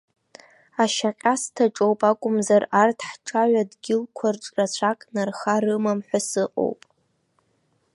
Ашьаҟьасҭаҿоуп акәымзар, арҭ ҳҿаҩа дгьылқәарҿ рацәак нарха рымам ҳәа сыҟоуп.